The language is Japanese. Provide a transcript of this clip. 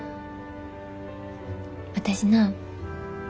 私な